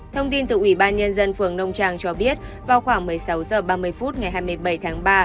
thông tin từ ủy ban nhân dân phường nông trang cho biết vào khoảng một mươi sáu h ba mươi phút ngày hai mươi bảy tháng ba